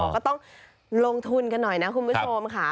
ก็ต้องลงทุนกันหน่อยนะคุณผู้ชมค่ะ